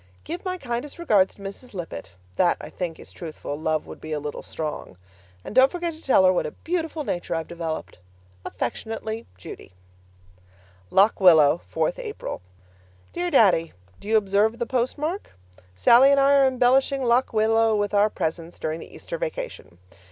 Give my kindest regards to Mrs. Lippett (that, I think, is truthful; love would be a little strong) and don't forget to tell her what a beautiful nature I've developed. Affectionately, Judy LOCK WILLOW, 4th April Dear Daddy, Do you observe the postmark? Sallie and I are embellishing Lock Willow with our presence during the Easter Vacation.